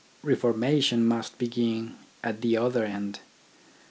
Reformation must begin at the other end.